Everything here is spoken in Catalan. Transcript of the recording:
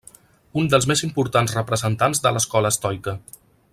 Un dels més importants representants de l'escola estoica.